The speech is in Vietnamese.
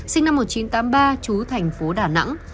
sinh năm một nghìn chín trăm tám mươi ba trú thành phố đà nẵng